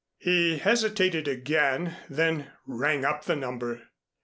He hesitated again and then rang up the number.